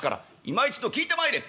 「いま一度聞いてまいれ！」。